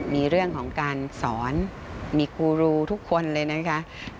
มีเรื่องของการสอนมีครูรูทุกคนเลยนะคะ